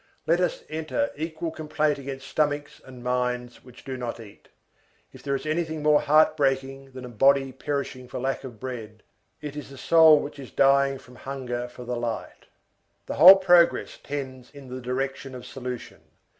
Let us enter equal complaint against stomachs and minds which do not eat. If there is anything more heart breaking than a body perishing for lack of bread, it is a soul which is dying from hunger for the light. The whole of progress tends in the direction of solution.